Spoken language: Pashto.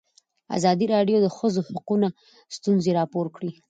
ازادي راډیو د د ښځو حقونه ستونزې راپور کړي.